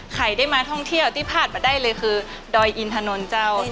ใครได้มาท่องเที่ยวที่พลาดมาได้เลยคือดอยอินถนนเจ้า